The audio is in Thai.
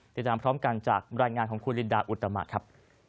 ติดตามพร้อมกันจากรายงานของคุณลินดาอุตมะครับ